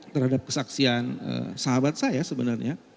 terhadap kesaksian sahabat saya sebenarnya